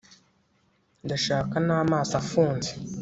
Ndashaka namaso afunze